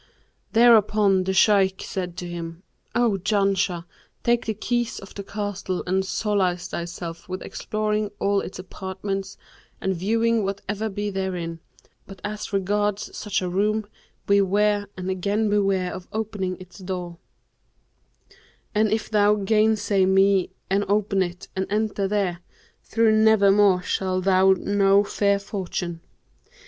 Thereupon the Shaykh said to him, 'O Janshah, take the keys of the castle and solace thyself with exploring all its apartments and viewing whatever be therein, but as regards such a room, beware and again beware of opening its door; and if thou gainsay me and open it and enter there, through nevermore shalt thou know fair fortune.'